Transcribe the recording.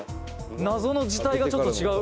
“謎”の字体がちょっと違う」